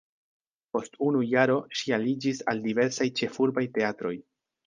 Post unu jaro ŝi aliĝis al diversaj ĉefurbaj teatroj.